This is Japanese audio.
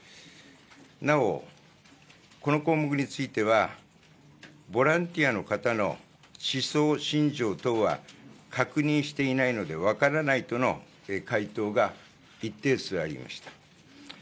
なお、この項目についてはボランティアの方の思想信条等は確認していないので分からないとの回答が一定数ありました。